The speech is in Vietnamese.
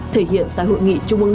thể hiện tại hội nghị trung ương